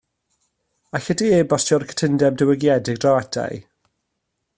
Alli di e-bostio'r cytundeb diwygiedig draw ata i